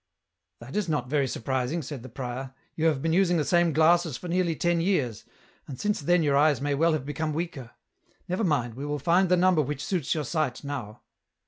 "' That is not very surprising,' said the prior, ' you have been using the same glasses for nearly ten years, and since then your eyes may well have become weaker ; never mind, we will find the number which suits your sight now.'